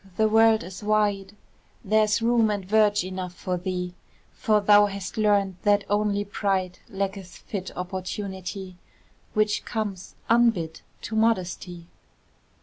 the world is wide, There's room and verge enough for thee; For thou hast learned that only pride Lacketh fit opportunity, Which comes unbid to modesty.